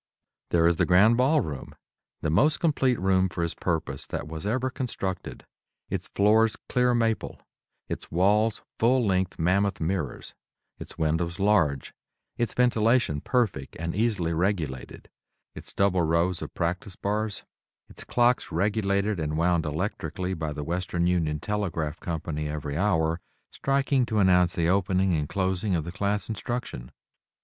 There is the Grand Ball Room, the most complete room for its purpose that was ever constructed; its floors clear maple, its walls full length mammoth mirrors; its windows large, its ventilation perfect and easily regulated; its double rows of practice bars; its clocks regulated and wound electrically by the Western Union Telegraph Co. every hour, striking to announce the opening and closing of the class instruction.